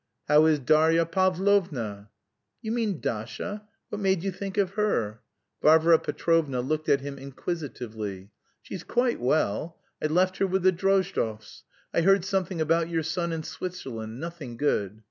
"How is Darya Pavlovna?" "You mean Dasha? What made you think of her?" Varvara Petrovna looked at him inquisitively. "She's quite well. I left her with the Drozdovs. I heard something about your son in Switzerland. Nothing good."